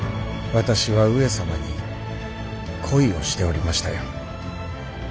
私は上様に恋をしておりましたよ。